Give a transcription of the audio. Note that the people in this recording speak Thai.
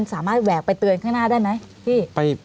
แหวกไปเตือนข้างหน้าได้ไหมพี่